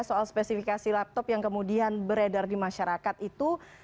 soal spesifikasi laptop yang kemudian beredar di masyarakat itu